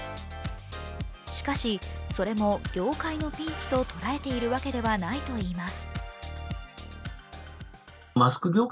しかし、それも業界のピンチと捉えているわけではないといいます。